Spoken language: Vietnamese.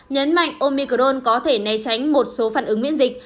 nhấn mạnh omicron có thể né tránh một số phản ứng miễn dịch